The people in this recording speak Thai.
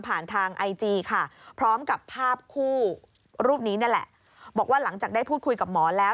ทางไอจีค่ะพร้อมกับภาพคู่รูปนี้นี่แหละบอกว่าหลังจากได้พูดคุยกับหมอแล้ว